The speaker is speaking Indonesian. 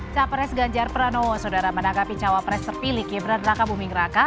capres ganjar pranowo saudara menangkapi cawapres terpilih gibran raka buming raka